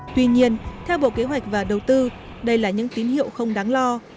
tuy nhiên theo bộ kế hoạch và đầu tư đây là những tín hiệu không đáng lo